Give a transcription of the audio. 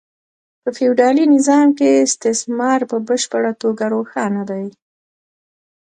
په فیوډالي نظام کې استثمار په بشپړه توګه روښانه دی